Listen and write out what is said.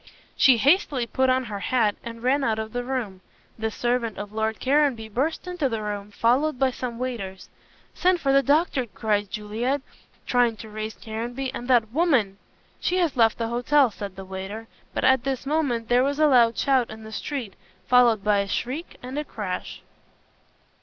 She hastily put on her hat and ran out of the room. The servant of Lord Caranby burst into the room, followed by some waiters. "Send for the doctor," cried Juliet, trying to raise Caranby "and that woman " "She has left the hotel," said a waiter, but at this moment there was a loud shout in the street, followed by a shriek and a crash.